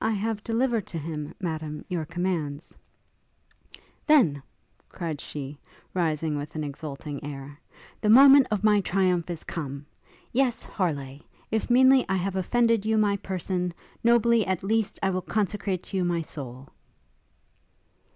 'I have delivered to him, Madam, your commands.' 'Then,' cried she, rising with an exulting air, 'the moment of my triumph is come! Yes, Harleigh! if meanly I have offered you my person, nobly, at least, I will consecrate to you my soul!'